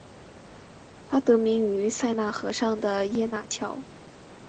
它得名于塞纳河上的耶拿桥。